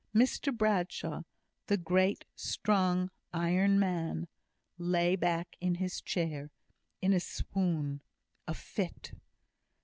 Mr Bradshaw the great, strong, iron man lay back in his chair in a swoon, a fit.